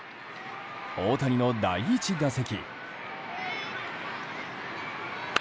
大谷の第１打席。